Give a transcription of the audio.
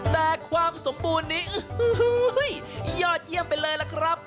แต่ความสมบูรณ์นี้ยอดเยี่ยมไปเลยล่ะครับ